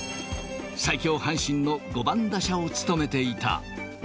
最強阪神の５番打者を務めていた。